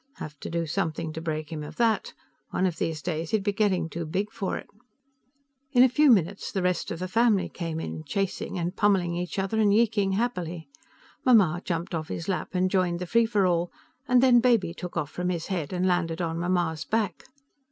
Have to do something to break him of that. One of these days, he'd be getting too big for it. In a few minutes, the rest of the family came in, chasing and pummeling each other and yeeking happily. Mamma jumped off his lap and joined the free for all, and then Baby took off from his head and landed on Mamma's back.